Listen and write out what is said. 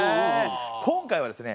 今回はですね